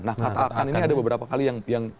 nah kata akan ini ada beberapa kali yang